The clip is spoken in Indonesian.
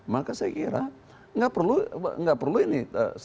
maka saya kira nggak perlu ini